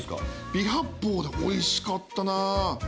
微発泡でおいしかったなぁ。